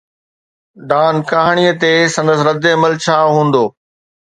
Don ڪهاڻي تي سندس ردعمل ڇا هوندو؟